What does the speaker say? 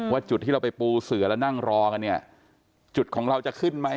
จุดที่เราไปปูเสือแล้วนั่งรอกันเนี่ยจุดของเราจะขึ้นไหม